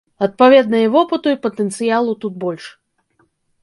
Адпаведна, і вопыту, і патэнцыялу тут больш.